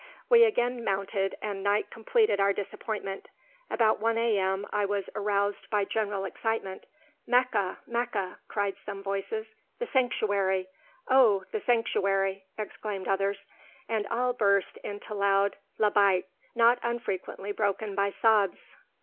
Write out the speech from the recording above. We again mounted, and night completed our disappointment. About 1 A.M. I was aroused by general excitement. "Meccah! Meccah!" cried some voices. "The Sanctuary! O the Sanctuary!" exclaimed others; and all burst into loud "Labbayk," not unfrequently broken by sobs.